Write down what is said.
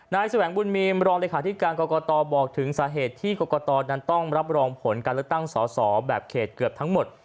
แสวงบุญมีมรองเลขาธิการกรกตบอกถึงสาเหตุที่กรกตนั้นต้องรับรองผลการเลือกตั้งสอสอแบบเขตเกือบทั้งหมด